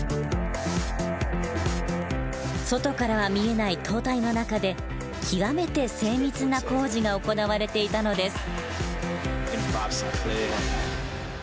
外からは見えない塔体の中で極めて精密な工事が行われていたのです。